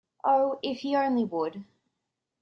Oh, if he only would!